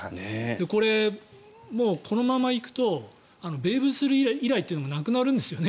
これ、このまま行くとベーブ・ルース以来というのがなくなるんですよね。